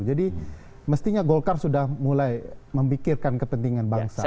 jadi mestinya golkar sudah mulai memikirkan kepentingan bangsa